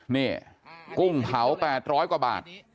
นี่กุ้งเผา๘๐๐กว่าบาท